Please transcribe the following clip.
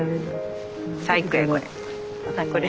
最高やこれ。